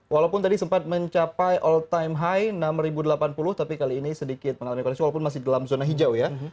walaupun tadi sempat mencapai all time high enam ribu delapan puluh tapi kali ini sedikit mengalami kondisi walaupun masih dalam zona hijau ya